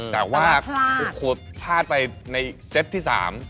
แต่ว่าโอ้โหพลาดไปในเซตที่๓